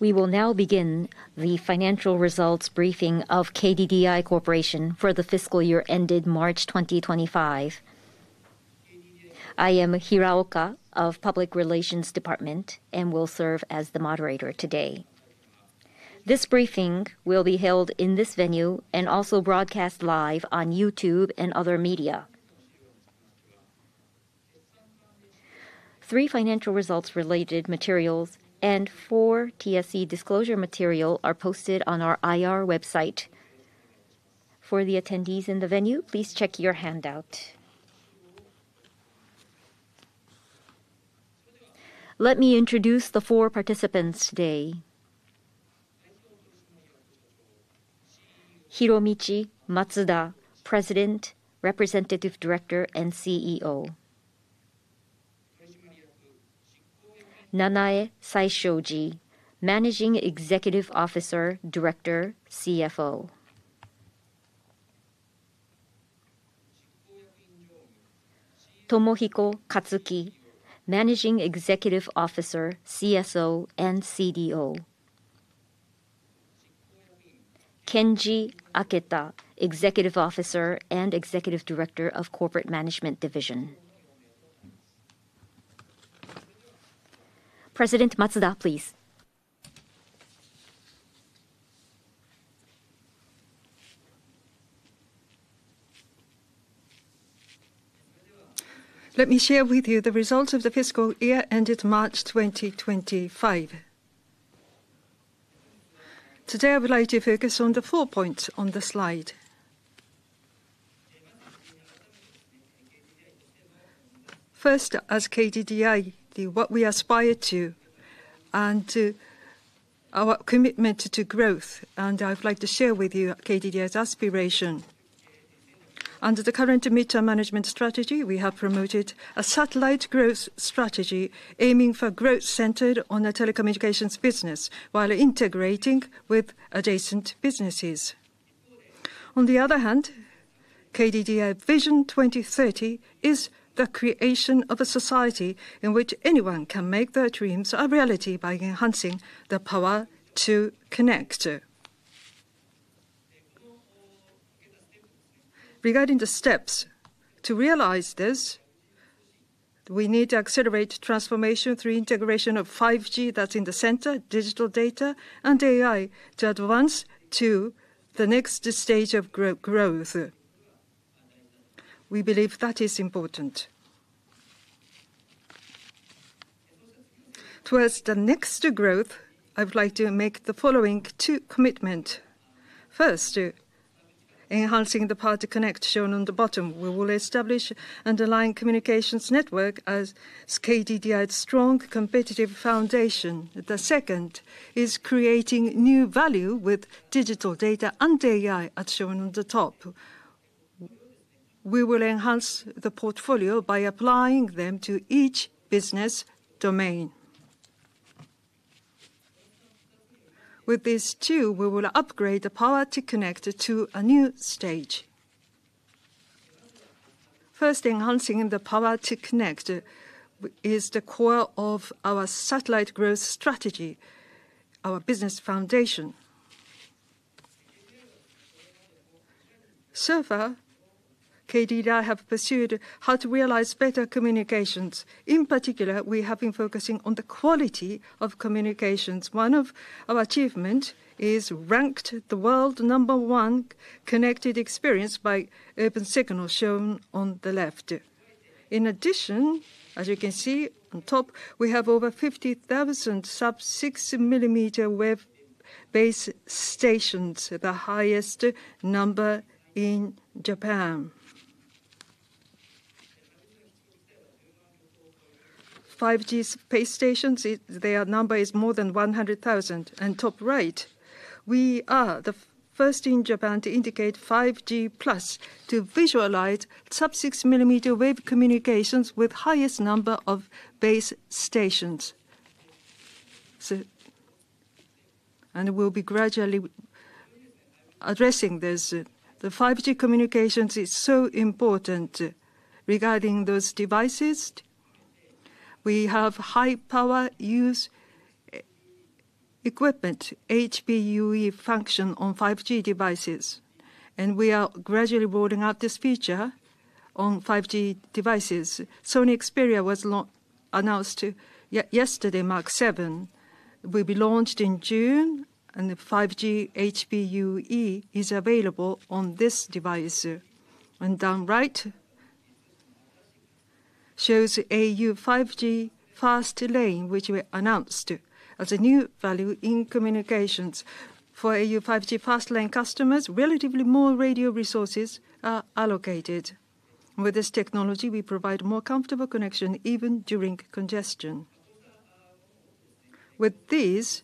We will now begin the financial results briefing of KDDI Corporation for the fiscal year ended March 2025. I am Hiraoka of Public Relations Department and will serve as the moderator today. This briefing will be held in this venue and also broadcast live on YouTube and other media. Three financial results-related materials and four TSC disclosure materials are posted on our IR website. For the attendees in the venue, please check your handout. Let me introduce the four participants today. Hiromichi Matsuda, President, Representative Director, and CEO. Nanae Saishoji, Managing Executive Officer, Director, CFO. Tomohiko Katsumi, Managing Executive Officer, CSO, and CDO. Kenji Aketa, Executive Officer and Executive Director of Corporate Management Division. President Matsuda, please. Let me share with you the results of the fiscal year ended March 2025. Today, I would like to focus on the four points on the slide. First, as KDDI, what we aspire to and our commitment to growth, and I would like to share with you KDDI's aspiration. Under the current meter management strategy, we have promoted a satellite growth strategy aiming for growth centered on the telecommunications business while integrating with adjacent businesses. On the other hand, KDDI Vision 2030 is the creation of a society in which anyone can make their dreams a reality by enhancing the power to connect. Regarding the steps to realize this, we need to accelerate transformation through integration of 5G that's in the center, digital data, and AI to advance to the next stage of growth. We believe that is important. Towards the next growth, I would like to make the following two commitments. First, enhancing the power to connect shown on the bottom. We will establish an underlying communications network as KDDI's strong competitive foundation. The second is creating new value with digital data and AI, as shown on the top. We will enhance the portfolio by applying them to each business domain. With these two, we will upgrade the power to connect to a new stage. First, enhancing the power to connect is the core of our satellite growth strategy, our business foundation. So far, KDDI has pursued how to realize better communications. In particular, we have been focusing on the quality of communications. One of our achievements is ranked the world number one connected experience by urban signal, shown on the left. In addition, as you can see on top, we have over 50,000 sub-6 millimeter wave base stations, the highest number in Japan. 5G base stations, their number is more than 100,000. At the top right, we are the first in Japan to indicate 5G Plus to visualize sub-6 millimeter wave communications with the highest number of base stations. We will be gradually addressing this. The 5G communications are so important. Regarding those devices, we have high-power user equipment, HPUE function on 5G devices, and we are gradually rolling out this feature on 5G devices. Sony Xperia was announced yesterday, Mark 7. It will be launched in June, and the 5G HPUE is available on this device. Down right shows AU 5G Fast Lane, which we announced as a new value in communications. For AU 5G Fast Lane customers, relatively more radio resources are allocated. With this technology, we provide a more comfortable connection even during congestion. With this,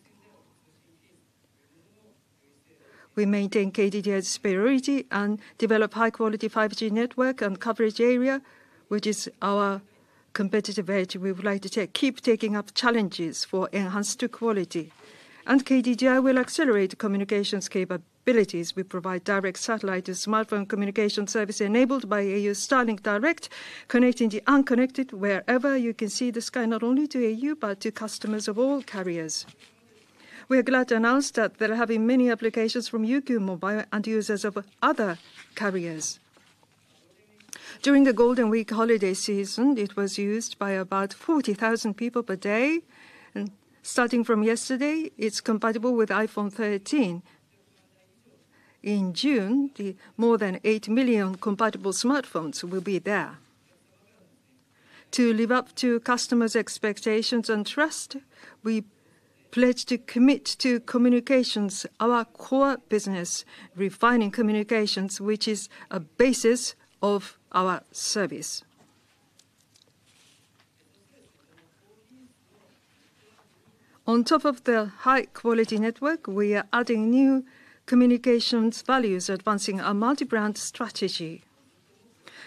we maintain KDDI's superiority and develop high-quality 5G network and coverage area, which is our competitive edge. We would like to keep taking up challenges for enhanced quality. KDDI will accelerate communications capabilities. We provide direct satellite to smartphone communication service enabled by AU Starlink Direct, connecting the unconnected wherever you can see the sky, not only to AU, but to customers of all carriers. We are glad to announce that there have been many applications from UQ Mobile and users of other carriers. During the Golden Week holiday season, it was used by about 40,000 people per day. Starting from yesterday, it is compatible with iPhone 13. In June, more than 8 million compatible smartphones will be there. To live up to customers' expectations and trust, we pledge to commit to communications, our core business, refining communications, which is a basis of our service. On top of the high-quality network, we are adding new communications values, advancing our multi-brand strategy.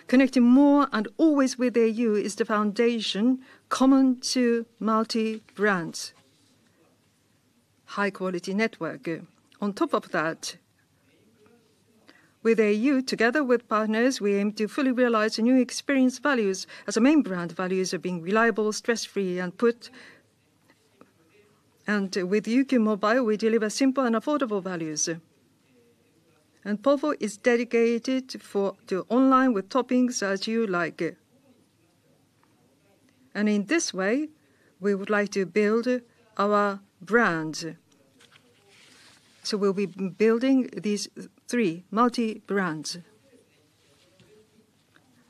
Connecting more and always with AU is the foundation common to multi-brands, high-quality network. On top of that, with AU, together with partners, we aim to fully realize new experience values as a main brand. Values are being reliable, stress-free, and put. With UQ Mobile, we deliver simple and affordable values. Povo is dedicated to online with toppings as you like. In this way, we would like to build our brand. We will be building these three multi-brands.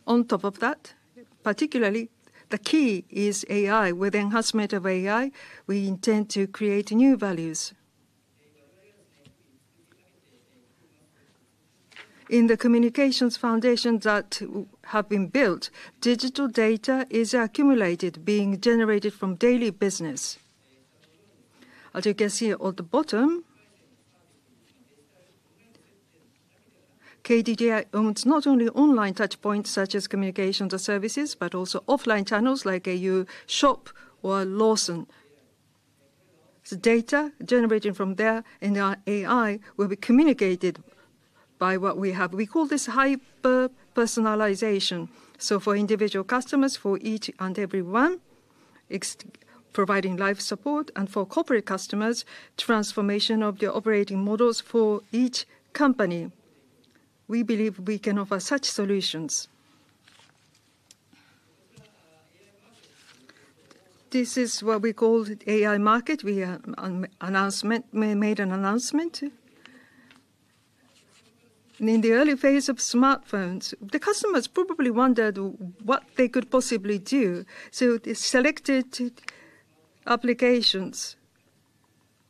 On top of that, particularly, the key is AI. With the enhancement of AI, we intend to create new values. In the communications foundations that have been built, digital data is accumulated, being generated from daily business. As you can see at the bottom, KDDI owns not only online touchpoints such as communications or services, but also offline channels like AU Shop or Lawson. The data generated from there and our AI will be communicated by what we have. We call this hyper-personalization. For individual customers, for each and everyone, it is providing live support. For corporate customers, transformation of the operating models for each company. We believe we can offer such solutions. This is what we call AI market. We made an announcement. In the early phase of smartphones, the customers probably wondered what they could possibly do. The selected applications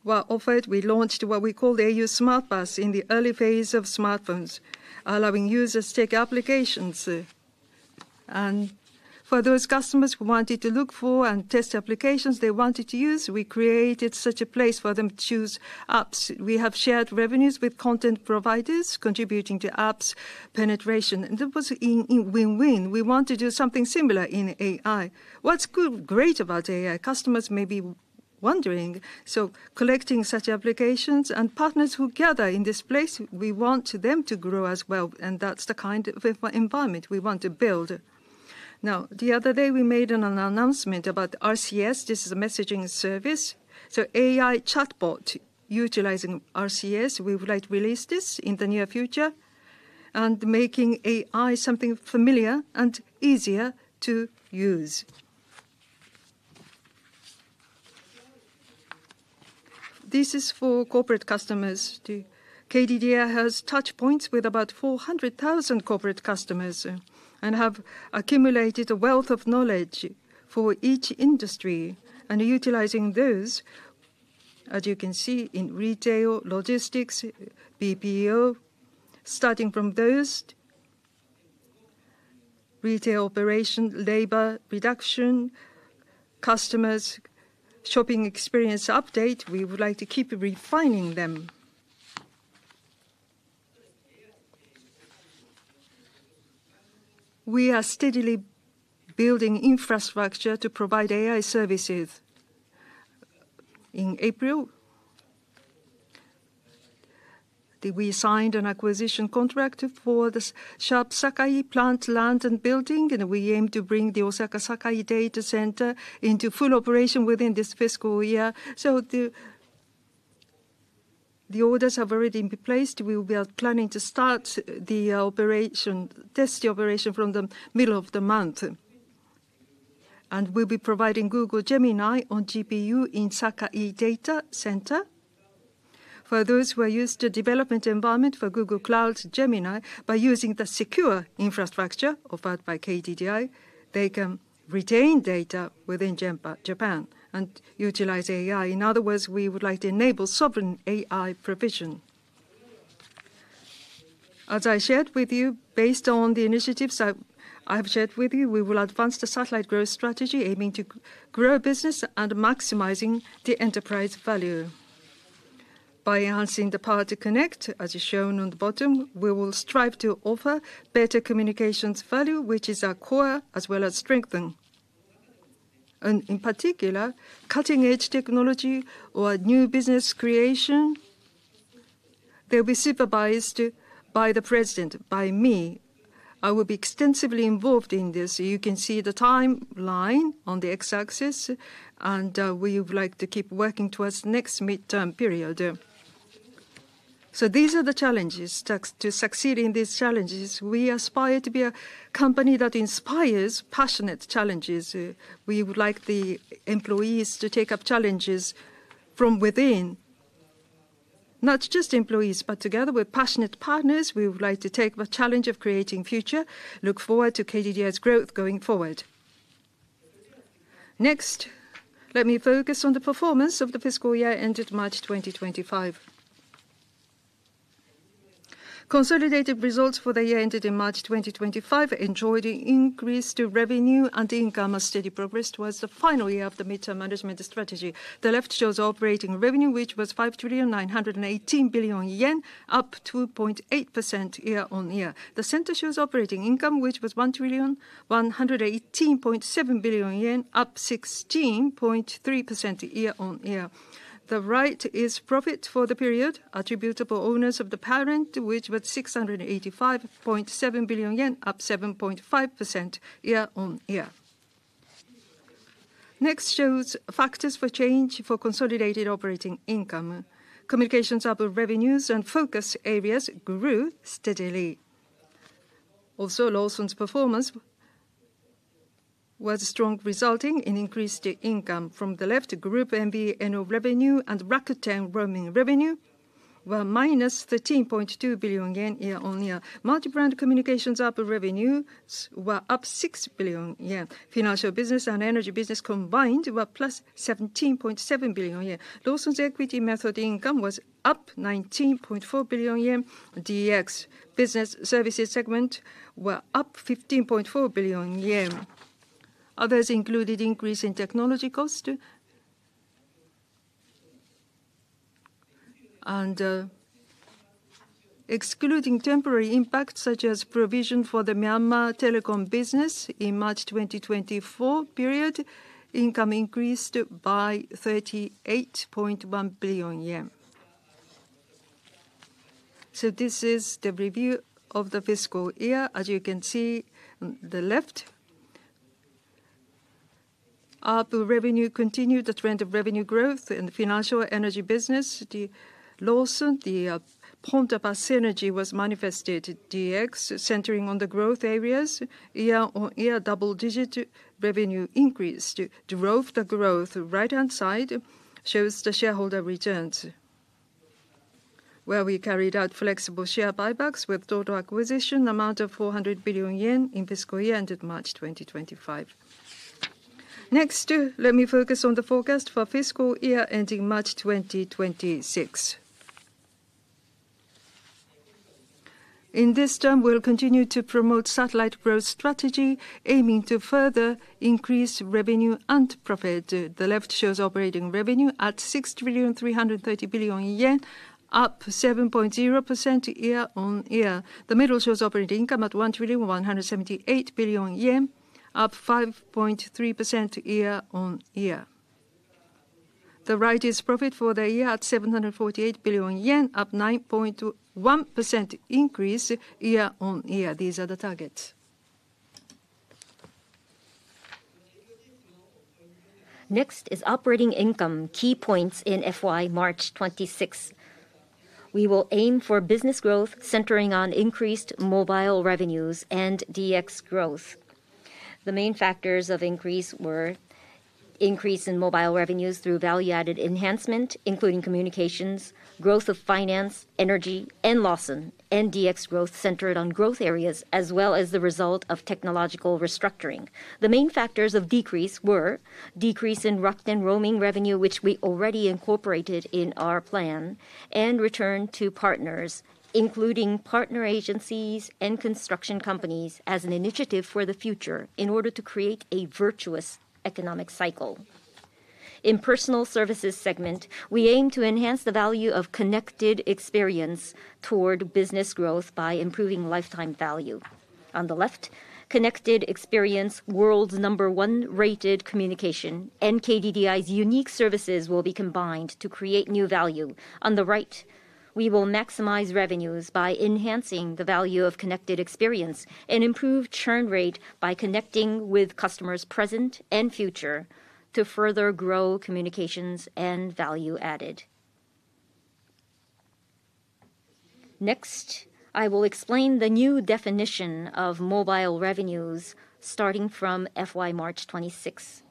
were offered. We launched what we call AU Smart Bus in the early phase of smartphones, allowing users to take applications. For those customers who wanted to look for and test applications they wanted to use, we created such a place for them to choose apps. We have shared revenues with content providers, contributing to apps penetration. It was a win-win. We want to do something similar in AI. What's great about AI, customers may be wondering. Collecting such applications and partners who gather in this place, we want them to grow as well. That is the kind of environment we want to build. The other day, we made an announcement about RCS. This is a messaging service. AI chatbot utilizing RCS, we would like to release this in the near future and make AI something familiar and easier to use. This is for corporate customers. KDDI has touchpoints with about 400,000 corporate customers and has accumulated a wealth of knowledge for each industry. Utilizing those, as you can see in retail, logistics, BPO, starting from those retail operation, labor reduction, customers, shopping experience update, we would like to keep refining them. We are steadily building infrastructure to provide AI services. In April, we signed an acquisition contract for the Sharp Sakai Plant land and building. We aim to bring the Osaka Sakai Data Center into full operation within this fiscal year. The orders have already been placed. We will be planning to start the operation, test the operation from the middle of the month. We will be providing Google Gemini on GPU in Sakai Data Center. For those who are used to the development environment for Google Cloud Gemini, by using the secure infrastructure offered by KDDI, they can retain data within Japan and utilize AI. In other words, we would like to enable sovereign AI provision. As I shared with you, based on the initiatives I have shared with you, we will advance the satellite growth strategy, aiming to grow business and maximizing the enterprise value. By enhancing the power to connect, as is shown on the bottom, we will strive to offer better communications value, which is our core, as well as strengthen. In particular, cutting-edge technology or new business creation, they'll be supervised by the President, by me. I will be extensively involved in this. You can see the timeline on the X-axis. We would like to keep working towards the next midterm period. These are the challenges. To succeed in these challenges, we aspire to be a company that inspires passionate challenges. We would like the employees to take up challenges from within, not just employees, but together with passionate partners. We would like to take the challenge of creating the future. Look forward to KDDI's growth going forward. Next, let me focus on the performance of the fiscal year ended March 2025. Consolidated results for the year ended in March 2025 enjoyed an increase to revenue and income as steady progress towards the final year of the midterm management strategy. The left shows operating revenue, which was 5,918 billion yen, up 2.8% year on year. The center shows operating income, which was 1,118.7 billion yen, up 16.3% year on year. The right is profit for the period, attributable to owners of the parent, which was 685.7 billion yen, up 7.5% year on year. Next shows factors for change for consolidated operating income. Communications of revenues and focus areas grew steadily. Also, Lawson's performance was strong, resulting in increased income. From the left, Group MBNO revenue and Rakuten Roaming revenue were minus 13.2 billion yen year on year. Multi-brand communications of revenues were up 6 billion yen. Financial business and energy business combined were plus 17.7 billion yen. Lawson's equity method income was up 19.4 billion yen. DX business services segment were up 15.4 billion yen. Others included increase in technology cost. Excluding temporary impacts such as provision for the Myanmar Telecom business in March 2024 period, income increased by JPY 38.1 billion. This is the review of the fiscal year. As you can see on the left, up revenue continued the trend of revenue growth in the financial energy business. Lawson, the point of us energy was manifested DX centering on the growth areas. Year on year, double-digit revenue increased. The growth, the growth right-hand side shows the shareholder returns where we carried out flexible share buybacks with total acquisition amount of 400 billion yen in fiscal year ended March 2025. Next, let me focus on the forecast for fiscal year ending March 2026. In this term, we'll continue to promote satellite growth strategy, aiming to further increase revenue and profit. The left shows operating revenue at 6,330 billion yen, up 7.0% year on year. The middle shows operating income at 1,178 billion yen, up 5.3% year on year. The right is profit for the year at 748 billion yen, up 9.1% year on year. These are the targets. Next is operating income key points in fiscal year March 2026. We will aim for business growth centering on increased mobile revenues and DX growth. The main factors of increase were increase in mobile revenues through value-added enhancement, including communications, growth of finance, energy, and Lawson, and DX growth centered on growth areas, as well as the result of technological restructuring. The main factors of decrease were decrease in Rakuten roaming revenue, which we already incorporated in our plan, and return to partners, including partner agencies and construction companies, as an initiative for the future in order to create a virtuous economic cycle. In personal services segment, we aim to enhance the value of connected experience toward business growth by improving lifetime value. On the left, connected experience, world number one rated communication, and KDDI's unique services will be combined to create new value. On the right, we will maximize revenues by enhancing the value of connected experience and improve churn rate by connecting with customers present and future to further grow communications and value added. Next, I will explain the new definition of mobile revenues starting from FY March 2026.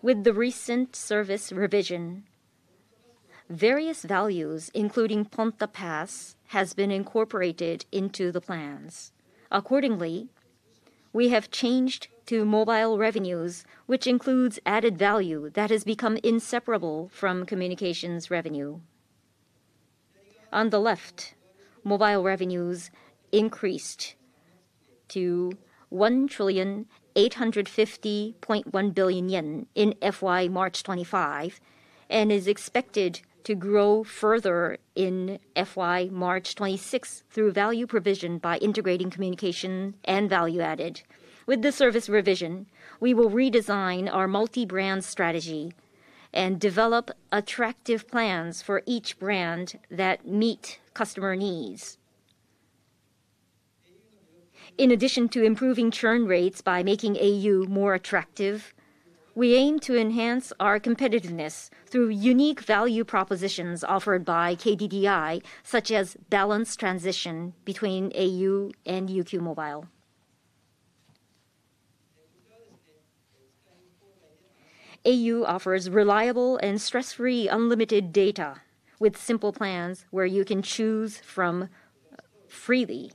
With the recent service revision, various values, including Ponta Pass, have been incorporated into the plans. Accordingly, we have changed to mobile revenues, which includes added value that has become inseparable from communications revenue. On the left, mobile revenues increased to 1,850.1 billion yen in FY March 2025 and is expected to grow further in FY March 2026 through value provision by integrating communication and value added. With the service revision, we will redesign our multi-brand strategy and develop attractive plans for each brand that meet customer needs. In addition to improving churn rates by making AU more attractive, we aim to enhance our competitiveness through unique value propositions offered by KDDI, such as balanced transition between AU and UQ Mobile. AU offers reliable and stress-free unlimited data with simple plans where you can choose from freely.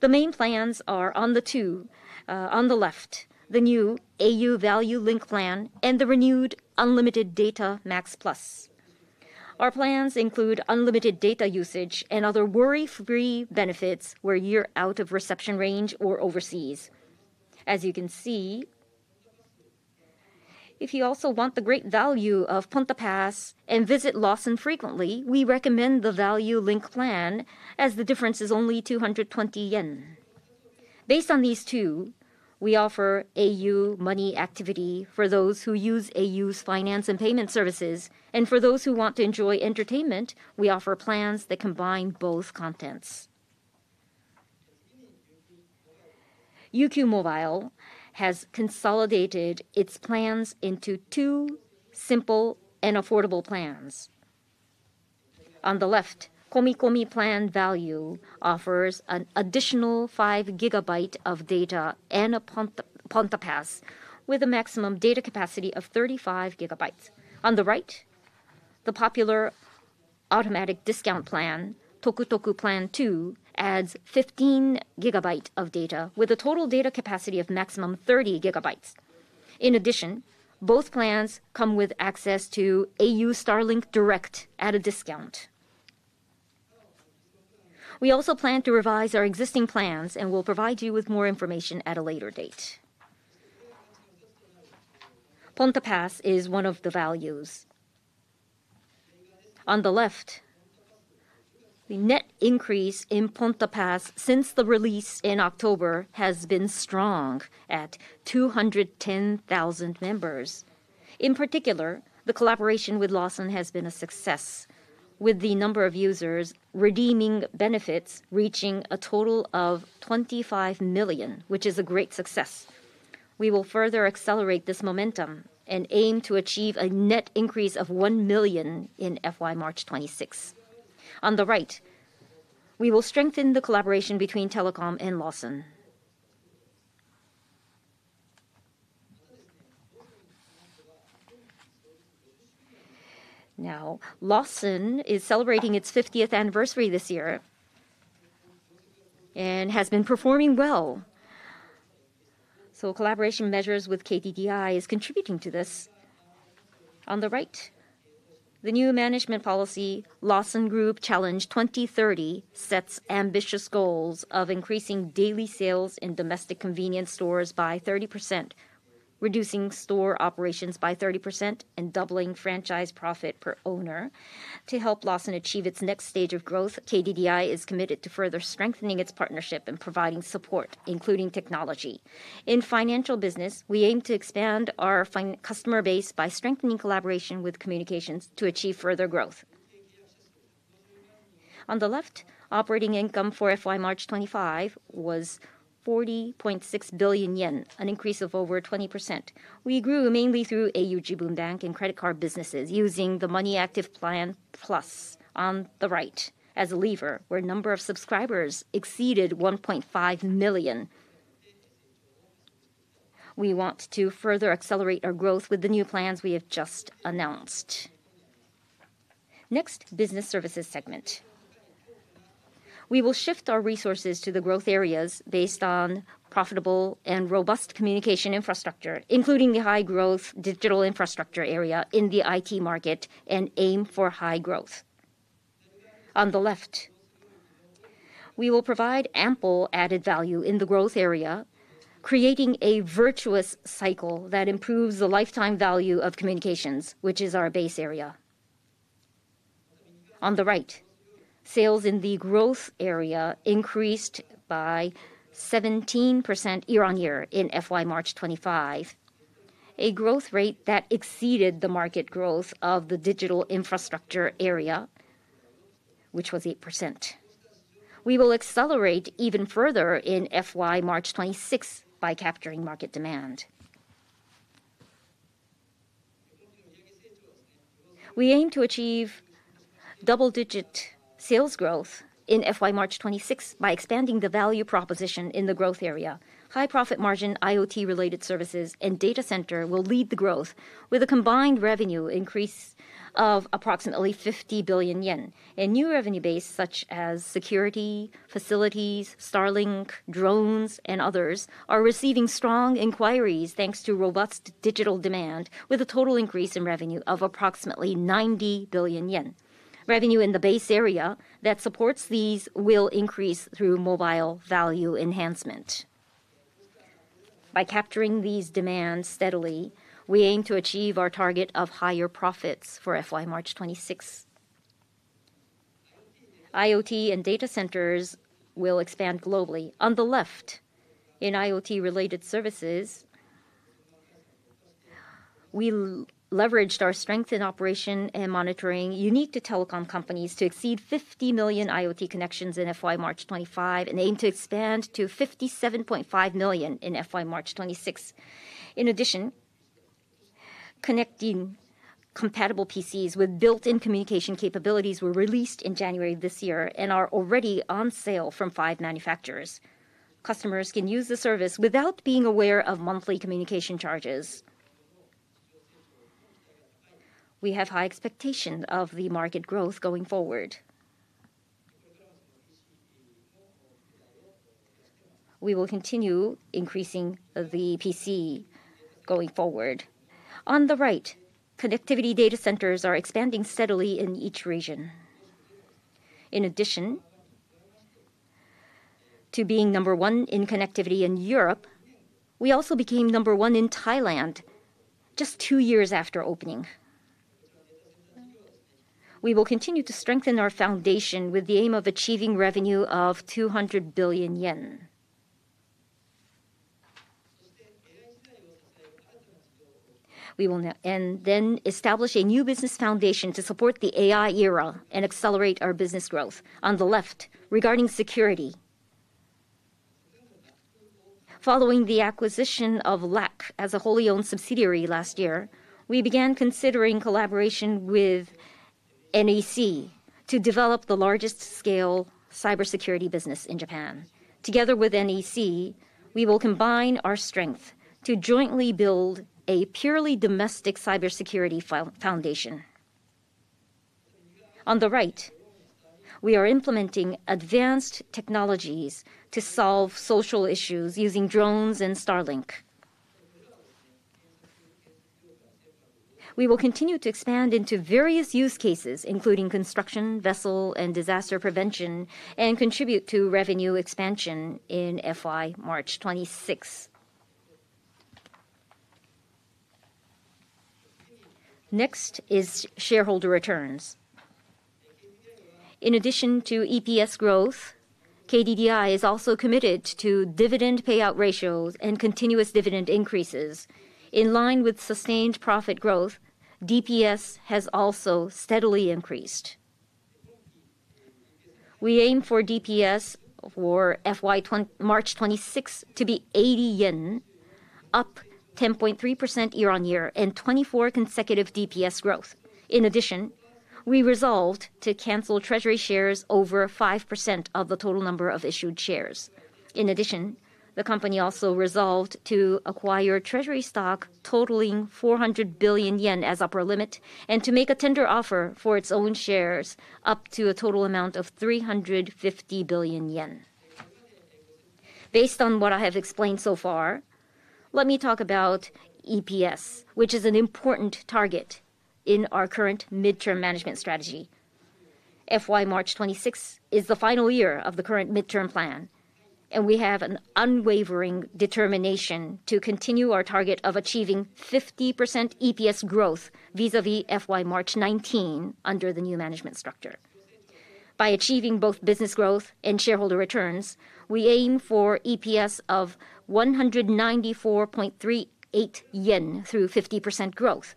The main plans are on the two. On the left, the new AU Value Link plan and the renewed Unlimited Data Max Plus. Our plans include unlimited data usage and other worry-free benefits where you're out of reception range or overseas. As you can see, if you also want the great value of Ponta Pass and visit Lawson frequently, we recommend the Value Link plan as the difference is only 220 yen. Based on these two, we offer AU Money Activity for those who use AU's finance and payment services. For those who want to enjoy entertainment, we offer plans that combine both contents. UQ Mobile has consolidated its plans into two simple and affordable plans. On the left, Komikomi Plan Value offers an additional 5 gigabytes of data and a Ponta Pass with a maximum data capacity of 35 gigabytes. On the right, the popular automatic discount plan, Tokutoku Plan 2, adds 15 gigabytes of data with a total data capacity of maximum 30 gigabytes. In addition, both plans come with access to AU Starlink Direct at a discount. We also plan to revise our existing plans and will provide you with more information at a later date. Ponta Pass is one of the values. On the left, the net increase in Ponta Pass since the release in October has been strong at 210,000 members. In particular, the collaboration with Lawson has been a success, with the number of users redeeming benefits reaching a total of 25 million, which is a great success. We will further accelerate this momentum and aim to achieve a net increase of 1 million in FY March 2026. On the right, we will strengthen the collaboration between telecom and Lawson. Now, Lawson is celebrating its 50th anniversary this year and has been performing well. Collaboration measures with KDDI are contributing to this. On the right, the new management policy, Lawson Group Challenge 2030, sets ambitious goals of increasing daily sales in domestic convenience stores by 30%, reducing store operations by 30%, and doubling franchise profit per owner. To help Lawson achieve its next stage of growth, KDDI is committed to further strengthening its partnership and providing support, including technology. In financial business, we aim to expand our customer base by strengthening collaboration with communications to achieve further growth. On the left, operating income for FY March 2025 was 40.6 billion yen, an increase of over 20%. We grew mainly through AU Jibun Bank and credit card businesses using the Money Active Plan Plus. On the right, as a lever, where number of subscribers exceeded 1.5 million. We want to further accelerate our growth with the new plans we have just announced. Next, business services segment. We will shift our resources to the growth areas based on profitable and robust communication infrastructure, including the high growth digital infrastructure area in the IT market and aim for high growth. On the left, we will provide ample added value in the growth area, creating a virtuous cycle that improves the lifetime value of communications, which is our base area. On the right, sales in the growth area increased by 17% year on year in FY March 2025, a growth rate that exceeded the market growth of the digital infrastructure area, which was 8%. We will accelerate even further in FY March 2026 by capturing market demand. We aim to achieve double-digit sales growth in FY March 2026 by expanding the value proposition in the growth area. High profit margin, IoT-related services, and data center will lead the growth, with a combined revenue increase of approximately 50 billion yen. A new revenue base such as security facilities, Starlink, drones, and others are receiving strong inquiries thanks to robust digital demand, with a total increase in revenue of approximately 90 billion yen. Revenue in the base area that supports these will increase through mobile value enhancement. By capturing these demands steadily, we aim to achieve our target of higher profits for FY March 2026. IoT and data centers will expand globally. On the left, in IoT-related services, we leveraged our strength in operation and monitoring unique to telecom companies to exceed 50 million IoT connections in FY March 2025 and aim to expand to 57.5 million in FY March 2026. In addition, connecting compatible PCs with built-in communication capabilities were released in January this year and are already on sale from five manufacturers. Customers can use the service without being aware of monthly communication charges. We have high expectations of the market growth going forward. We will continue increasing the PC going forward. On the right, connectivity data centers are expanding steadily in each region. In addition to being number one in connectivity in Europe, we also became number one in Thailand just two years after opening. We will continue to strengthen our foundation with the aim of achieving revenue of 200 billion yen. We will then establish a new business foundation to support the AI era and accelerate our business growth. On the left, regarding security. Following the acquisition of LAK as a wholly owned subsidiary last year, we began considering collaboration with NEC to develop the largest scale cybersecurity business in Japan. Together with NEC, we will combine our strength to jointly build a purely domestic cybersecurity foundation. On the right, we are implementing advanced technologies to solve social issues using drones and Starlink. We will continue to expand into various use cases, including construction, vessel, and disaster prevention, and contribute to revenue expansion in FY March 2026. Next is shareholder returns. In addition to EPS growth, KDDI is also committed to dividend payout ratios and continuous dividend increases. In line with sustained profit growth, DPS has also steadily increased. We aim for DPS for FY March 2026 to be 80 yen, up 10.3% year on year and 24 consecutive DPS growth. In addition, we resolved to cancel treasury shares over 5% of the total number of issued shares. In addition, the company also resolved to acquire treasury stock totaling 400 billion yen as upper limit and to make a tender offer for its own shares up to a total amount of 350 billion yen. Based on what I have explained so far, let me talk about EPS, which is an important target in our current midterm management strategy. FY March 2026 is the final year of the current midterm plan, and we have an unwavering determination to continue our target of achieving 50% EPS growth vis-à-vis FY March 2019 under the new management structure. By achieving both business growth and shareholder returns, we aim for EPS of 194.38 yen through 50% growth.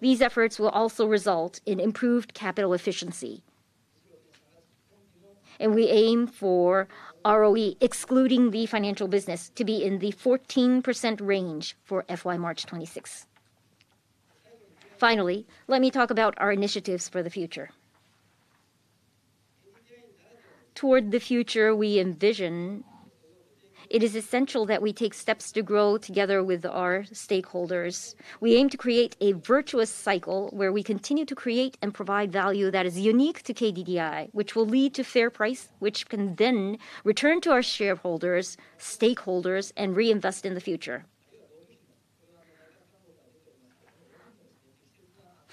These efforts will also result in improved capital efficiency. We aim for ROE excluding the financial business to be in the 14% range for FY March 2026. Finally, let me talk about our initiatives for the future. Toward the future, we envision it is essential that we take steps to grow together with our stakeholders. We aim to create a virtuous cycle where we continue to create and provide value that is unique to KDDI, which will lead to fair price, which can then return to our shareholders, stakeholders, and reinvest in the future.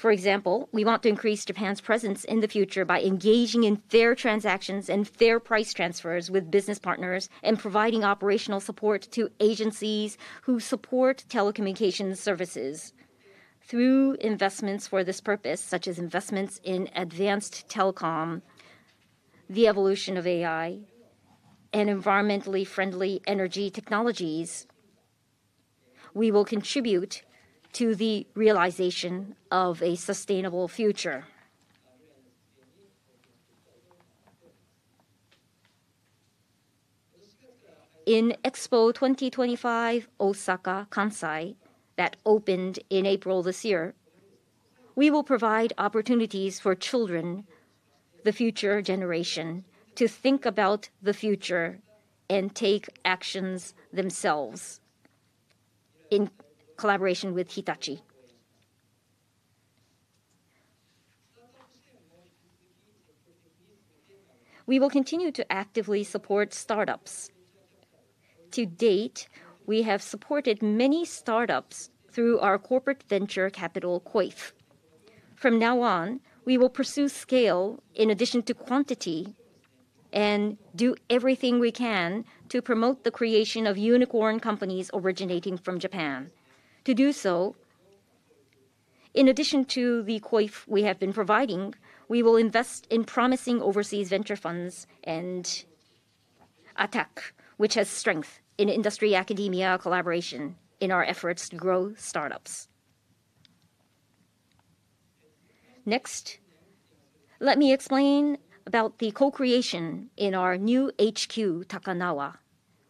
For example, we want to increase Japan's presence in the future by engaging in fair transactions and fair price transfers with business partners and providing operational support to agencies who support telecommunication services. Through investments for this purpose, such as investments in advanced telecom, the evolution of AI, and environmentally friendly energy technologies, we will contribute to the realization of a sustainable future. In Expo 2025, Osaka, Kansai, that opened in April this year, we will provide opportunities for children, the future generation, to think about the future and take actions themselves in collaboration with Hitachi. We will continue to actively support startups. To date, we have supported many startups through our corporate venture capital, KOIF. From now on, we will pursue scale in addition to quantity and do everything we can to promote the creation of unicorn companies originating from Japan. To do so, in addition to the KOIF we have been providing, we will invest in promising overseas venture funds and ATAK, which has strength in industry academia collaboration in our efforts to grow startups. Next, let me explain about the co-creation in our new HQ, Takanawa,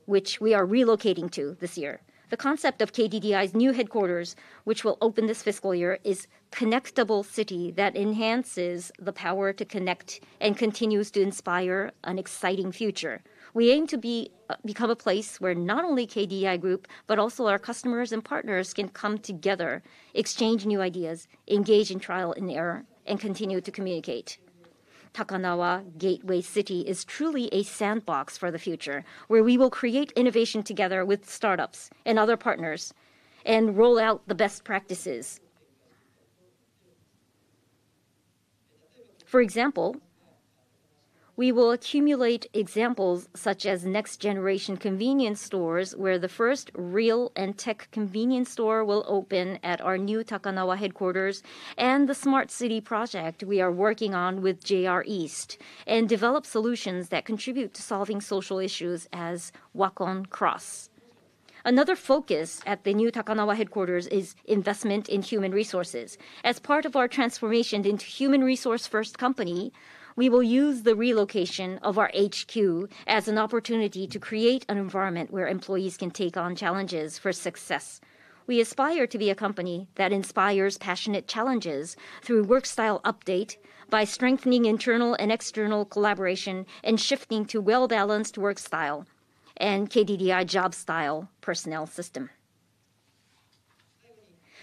which we are relocating to this year. The concept of KDDI's new headquarters, which will open this fiscal year, is a connectable city that enhances the power to connect and continues to inspire an exciting future. We aim to become a place where not only KDDI Group, but also our customers and partners can come together, exchange new ideas, engage in trial and error, and continue to communicate. Takanawa Gateway City is truly a sandbox for the future, where we will create innovation together with startups and other partners and roll out the best practices. For example, we will accumulate examples such as next-generation convenience stores, where the first Real x Tech Lawson store will open at our new Takanawa Headquarters, and the Smart City project we are working on with JR East, and develop solutions that contribute to solving social issues as Wacom Cross. Another focus at the new Takanawa Headquarters is investment in human resources. As part of our transformation into a human resource-first company, we will use the relocation of our HQ as an opportunity to create an environment where employees can take on challenges for success. We aspire to be a company that inspires passionate challenges through work-style update by strengthening internal and external collaboration and shifting to a well-balanced work-style and KDDI job-style personnel system.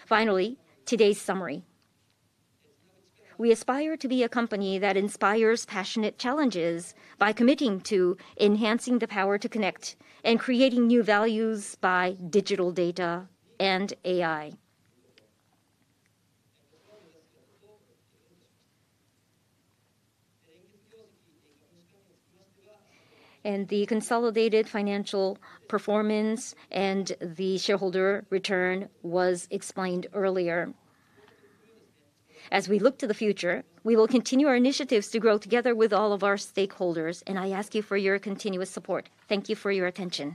Finally, today's summary. We aspire to be a company that inspires passionate challenges by committing to enhancing the power to connect and creating new values by digital data and AI. The consolidated financial performance and the shareholder return was explained earlier. As we look to the future, we will continue our initiatives to grow together with all of our stakeholders, and I ask you for your continuous support. Thank you for your attention.